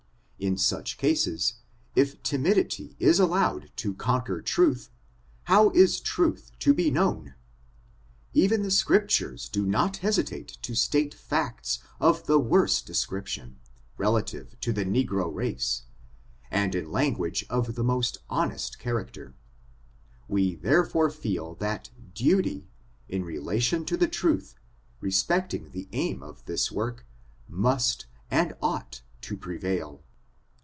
In such cases, if timidity is allowed to conquer truth, how is truth to be known ? Even the Scriptures do not hesitate to state facts of the worst description, relative to the negro race, and in language of the most honest character ; we therefore feel that duiy^ in relation to the truth, respecting the aim of this work, must, and ought to prevail.